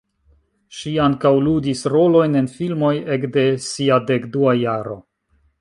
Ŝi ankaŭ ludis rolojn en filmoj ekde sia dekdua jaro.